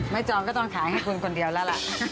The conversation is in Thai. จองก็ต้องขายให้คุณคนเดียวแล้วล่ะ